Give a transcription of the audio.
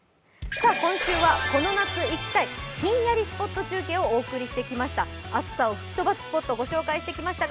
今週はこの夏行きたいひんやりスポット中継をお伝えしてきました。